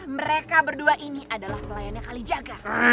mereka berdua ini adalah pelayannya kalijaga